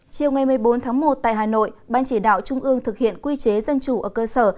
chiều ngày một mươi bốn tháng một tại hà nội ban chỉ đạo trung ương thực hiện quy chế dân chủ ở cơ sở